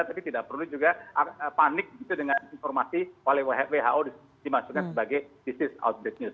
tapi tidak perlu juga panik gitu dengan informasi oleh who dimasukkan sebagai disease outbreak news